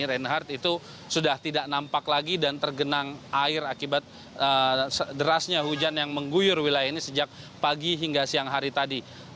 reinhardt itu sudah tidak nampak lagi dan tergenang air akibat derasnya hujan yang mengguyur wilayah ini sejak pagi hingga siang hari tadi